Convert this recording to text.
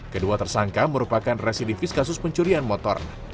kedua tersangka merupakan residivis kasus pencurian motor